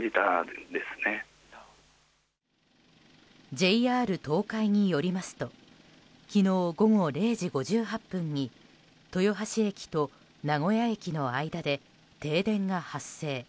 ＪＲ東海によりますと昨日午後０時５８分に豊橋駅と名古屋駅の間で停電が発生。